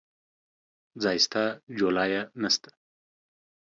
ځاى سته ، جولايې نسته.